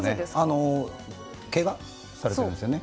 けがされているんですよね。